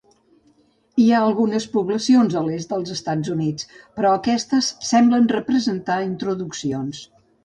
Hi ha algunes poblacions a l'est dels Estats Units, però aquestes semblen representar introduccions.